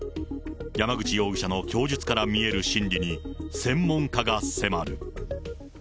山口容疑者の供述から見える心理に専門家が迫る。